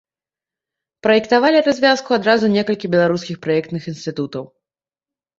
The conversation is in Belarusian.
Праектавалі развязку адразу некалькі беларускіх праектных інстытутаў.